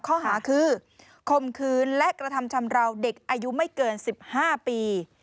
ข้อหาคือคมคืนและกระทำชำราวเด็กอายุไม่เกิน๑๕ปี